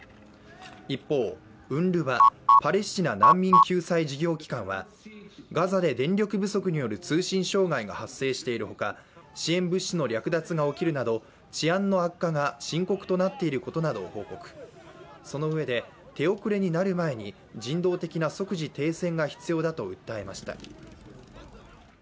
一方、ＵＮＲＷＡ＝国連パレスチナ難民救済事業機関はガザで電力不足による通信障害が発生しているほか治安の悪化が深刻となっていることなどを報告そのうえで、手遅れになる前に人道的な即時停戦が必要だと訴えました。